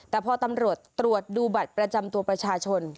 แต่พอตำรวจตรวจดูบัตรประจำตัวประชาชน